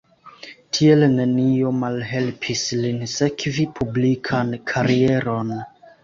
Tiel nenio malhelpis lin sekvi publikan karieron.